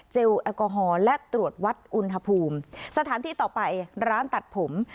แอลกอฮอล์และตรวจวัดอุณหภูมิสถานที่ต่อไปร้านตัดผม